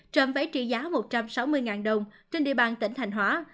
trộm váy trị giá một trăm sáu mươi đồng trên địa bàn tỉnh thanh hóa